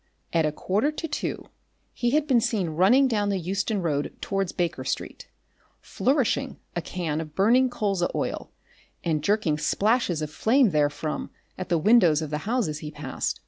At a quarter to two he had been seen running down the Euston Road towards Baker Street, flourishing a can of burning colza oil and jerking splashes of flame therefrom at the windows of the houses he passed.